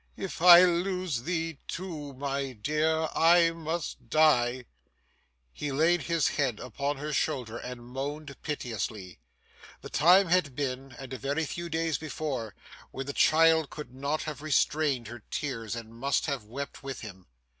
If I lose thee too, my dear, I must die!' He laid his head upon her shoulder and moaned piteously. The time had been, and a very few days before, when the child could not have restrained her tears and must have wept with him.